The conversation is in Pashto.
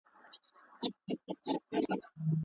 ایا واړه پلورونکي وچه میوه پروسس کوي؟